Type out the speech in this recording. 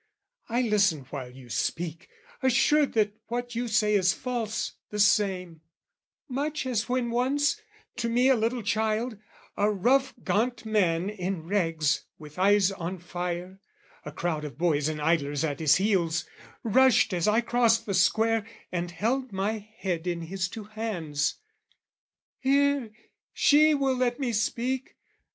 I listen while you speak, " Assured that what you say is false, the same: "Much as when once, to me a little child, "A rough gaunt man in rags, with eyes on fire, "A crowd of boys and idlers at his heels, "Rushed as I crossed the Square, and held my head "In his two hands, 'Here's she will let me speak!